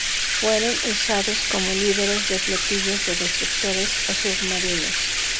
Fueron usados como líderes de flotillas de destructores o submarinos.